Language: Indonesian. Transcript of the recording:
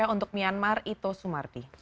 untuk myanmar ito sumarti